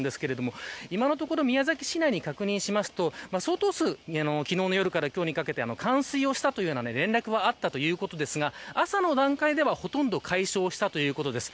今のところ宮崎市内に確認しますと相当数、昨日の夜から今日にかけて冠水したという連絡はあったということですが朝の段階では、ほとんど解消したということです。